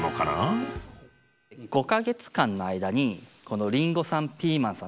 ５か月間の間にこのりんごさんピーマンさん